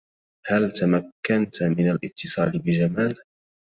هل تمكنت من الاتصال بجمال؟